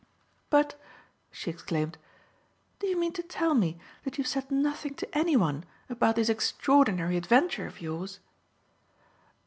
"But," she exclaimed, "do you mean to tell me that you have said nothing to anyone about this extraordinary adventure of yours?"